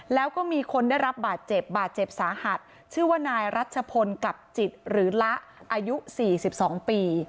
แล้วก็มีคนได้รับบาดเจ็บบาดเจ็บสาหัสชื่อว่านายรัชพลกลับจิตหรือละอายุ๔๒ปี